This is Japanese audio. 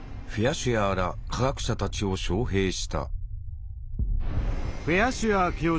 シュアーら科学者たちを招へいした。